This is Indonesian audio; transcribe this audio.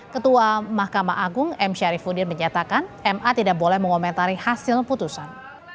ketua mahkamah agung m syarifudin menyatakan ma tidak boleh mengomentari hasil putusan